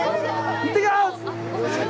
行ってきます！